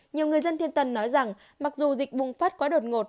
nhiều người dân thiên tân nói rằng mặc dù dịch bùng phát quá đột ngột